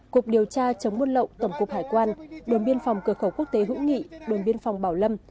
cục điều tra chống buôn lậu tổng cục hải quan đồn biên phòng cửa khẩu quốc tế hữu nghị đồn biên phòng bảo lâm